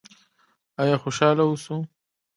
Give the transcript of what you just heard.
آیا خوشحاله اوسو؟